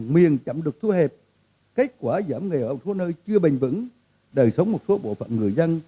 miền chậm được thu hẹp kết quả giảm nghèo ở một số nơi chưa bình vững đời sống một số bộ phận người dân